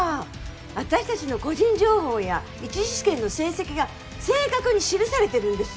私たちの個人情報や一次試験の成績が正確に記されてるんですよ？